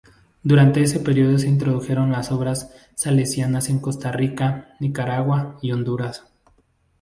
Durante ese período se introdujeron las obras salesianas en Costa Rica, Nicaragua y Honduras.